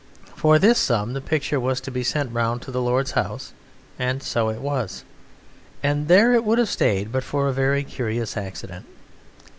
For this sum the picture was to be sent round to the lord's house, and so it was, and there it would have stayed but for a very curious accident.